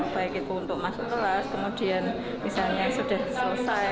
baik itu untuk masuk kelas kemudian misalnya sudah selesai